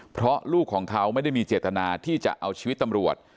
เพราะลูกของเขาไม่ได้มีเจตนาที่จะเอาชีวิตตำรวจ